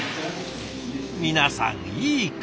皆さんいい顔！